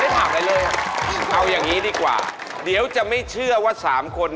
แต่เคยมีเซโตสโตโรน